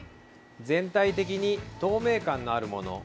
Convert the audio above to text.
全体的に透明感のあるもの。